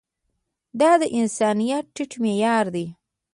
دا د انسانيت ټيټ معيار دی.